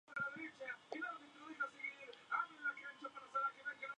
Winters era Penny King, y ambos vivían en el Rancho Flying Crown.